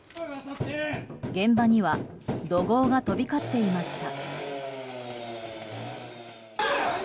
現場には怒号が飛び交っていました。